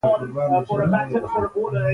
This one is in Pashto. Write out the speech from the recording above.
احمد ځان لټ کړی.